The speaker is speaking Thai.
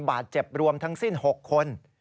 บาดเจ็บรวมทั้งสิ้น๖คน